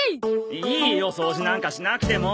いいよ掃除なんかしなくても！